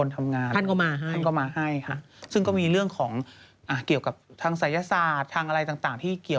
ในสังคมโซเชียลแท็กว่าพอคูบามาถึงฟ้าเปิดเลย